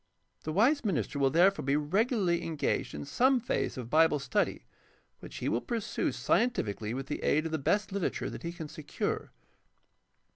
The wise minister will therefore be regu larly engaged in some phase of Bible study, which he will pursue scientifically with the aid of the best literature that he can secure.